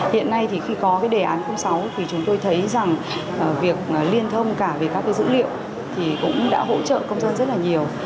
hiện nay khi có đề án công sáu chúng tôi thấy việc liên thông cả về các dữ liệu cũng đã hỗ trợ công dân rất nhiều